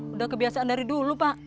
udah kebiasaan dari dulu pak